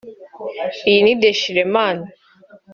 “Iyi ni dechire man